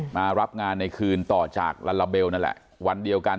มารับงานในคืนต่อจากลาลาเบลนั่นแหละวันเดียวกัน